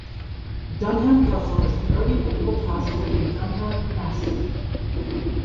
Dunham Castle is an early medieval castle in Dunham Massey.